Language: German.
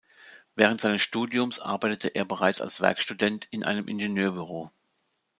Während seines Studiums arbeitete er bereits als Werkstudent in einem Ingenieurbüro.